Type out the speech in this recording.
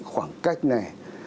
khoảng cách này